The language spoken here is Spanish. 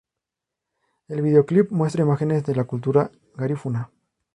El videoclip muestra imágenes de la cultura Garífuna.